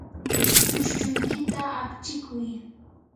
chushchuykita apchikuy.